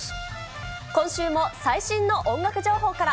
今週も最新の音楽情報から。